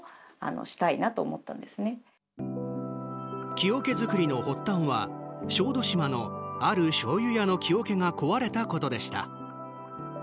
木おけづくりの発端は小豆島のあるしょうゆ屋の木おけが壊れたことでした。